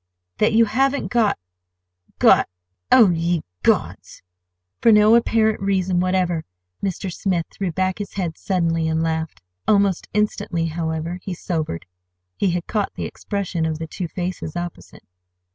"That you haven't got—got—Oh, ye gods!" For no apparent reason whatever Mr. Smith threw back his head suddenly and laughed. Almost instantly, however, he sobered: he had caught the expression of the two faces opposite.